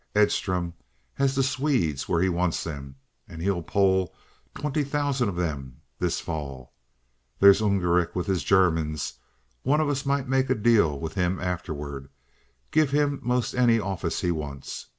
Edstrom has the Swedes where he wants them, and he'll poll twenty thousand of them this fall. There's Ungerich with his Germans; one of us might make a deal with him afterward, give him most any office he wants.